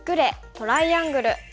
トライアングル」。